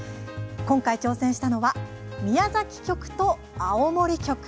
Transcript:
今回、挑戦したのは宮崎局と青森局。